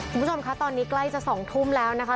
คุณผู้ชมคะตอนนี้ใกล้จะ๒ทุ่มแล้วนะคะ